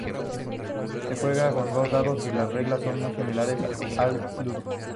Se juega con dos dados y las reglas son muy similares al Ludo.